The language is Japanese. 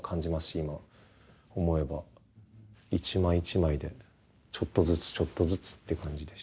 一枚一枚でちょっとずつちょっとずつっていう感じでした。